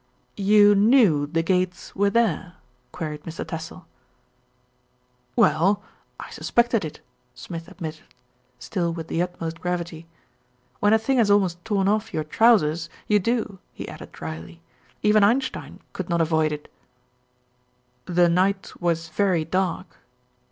"You knew the gates were there?" queried Mr. Tassell. MR. TASSELL IS SURPRISED 155 "Well, I suspected it," Smith admitted, still with the utmost gravity. "When a thing has almost torn off your trousers, you do," he added drily. "Even Einstein could not avoid it." "The night was very dark?"